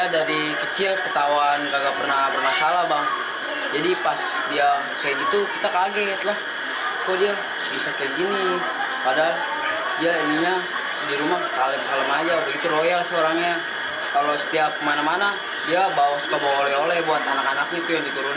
haringga sirla adalah sosok yang baik dan tidak pernah terdengar punya masalah